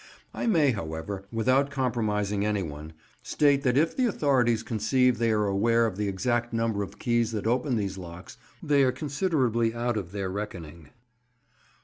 I may, however, without compromising anyone, state that if the authorities conceive they are aware of the exact number of keys that open these clocks, they are considerably out of their reckoning.